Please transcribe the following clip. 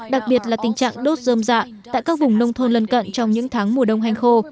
đặc biệt là tình trạng đốt dơm dạ tại các vùng nông thôn lân cận trong những tháng mùa đông hành khô